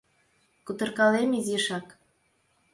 Кутыркалем изишак...